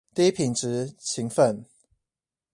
低品質勤奮